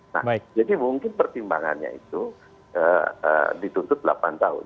nah jadi mungkin pertimbangannya itu dituntut delapan tahun